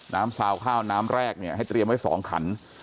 ซาวข้าวน้ำแรกเนี่ยให้เตรียมไว้๒ขัน